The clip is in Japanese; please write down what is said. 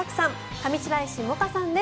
上白石萌歌さんです。